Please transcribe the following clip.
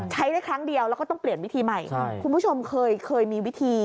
ใช้ได้ครั้งเดียวแล้วก็ต้องเปลี่ยนวิธีใหม่คุณผู้ชมเคยเคยมีวิธี